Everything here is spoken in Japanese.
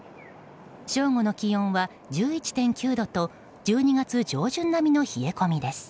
正午の気温は１１．９度と１２月上旬並みの冷え込みです。